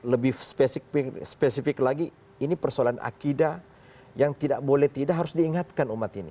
lebih spesifik lagi ini persoalan akidah yang tidak boleh tidak harus diingatkan umat ini